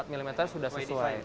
empat mm sudah sesuai